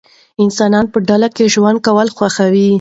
انسانان په ډلو کې ژوند کول خوښوي.